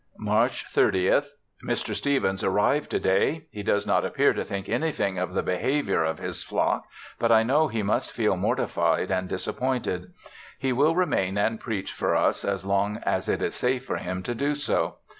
March 30th. Mr. Stevens arrived to day. He does not appear to think anything of the behavior of his flock; but I know he must feel mortified and disappointed. He will remain and preach for us as long as it is safe for him to do so.